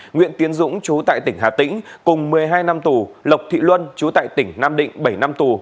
nguyễn tiến dũng chú tại tỉnh hà tĩnh cùng một mươi hai năm tù lộc thị luân chú tại tỉnh nam định bảy năm tù